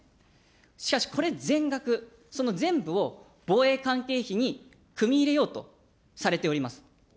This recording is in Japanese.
しかしこれ全額、その全部を防衛関係費に組み入れようとされております。